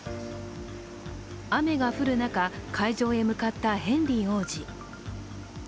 雨が降る中、会場へ向かったヘンリー王子。